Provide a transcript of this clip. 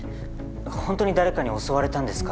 ほんとに誰かに襲われたんですか？